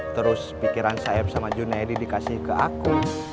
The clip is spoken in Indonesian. terus pikiran saeb sama junaedi dikasih ke aku